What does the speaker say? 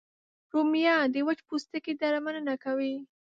رومیان د وچ پوستکي درملنه کوي